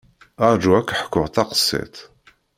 Rju ad k-d-ḥkuɣ taqsiṭ.